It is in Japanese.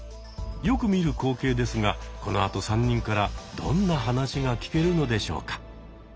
よく見る光景ですがこのあと３人からどんな話が聞けるのでしょうか。